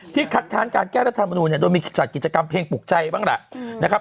ที่คัดท้านการแก้ระธรรมนุมโดยมีจัดกิจกรรมเพลงปลูกใจบ้างแล้ว